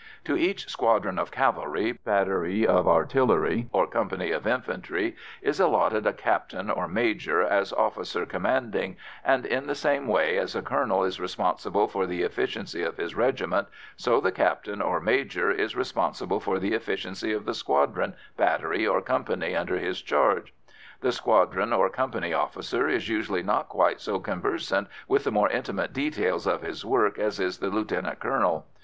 To each squadron of cavalry, battery of artillery, or company of infantry is allotted a captain or major as officer commanding, and, in the same way as a colonel is responsible for the efficiency of his regiment, so the captain or major is responsible for the efficiency of the squadron, battery, or company under his charge. The squadron or company officer is usually not quite so conversant with the more intimate details of his work as is the lieutenant colonel.